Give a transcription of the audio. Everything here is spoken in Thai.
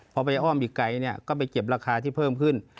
พอไปอ้อมอีกไกลเนี่ยก็ไปเก็บราคาที่เพิ่มขึ้น